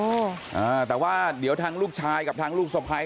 อ่าแต่ว่าเดี๋ยวทางลูกชายกับทางลูกสะพ้าย